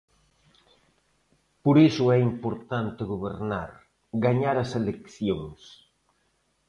Por iso é importante gobernar, gañar as eleccións.